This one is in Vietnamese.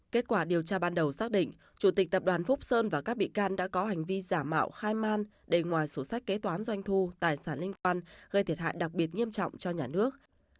kết quả điều tra ban đầu xác định chủ tịch tập đoàn phúc sơn và các bị can đã có hành vi giả mạo khai man để ngoài sổ sách kế toán doanh thu tài sản liên quan gây thiệt hại đặc biệt nghiêm trọng cho nhà nước